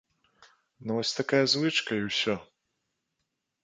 Ну вось такая звычка і ўсё.